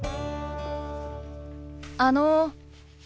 あの。